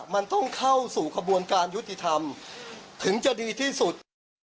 มันต้องเข้าสู่กระบวนการยุติธรรมถึงจะดีที่สุด